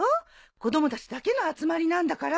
子供たちだけの集まりなんだから。